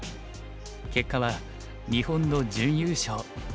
結果は日本の準優勝。